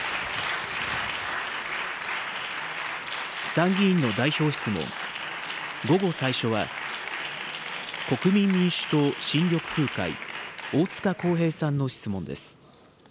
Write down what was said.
参議院の代表質問、午後最初は、国民民主党・新緑風会、大塚耕平さんの質問です。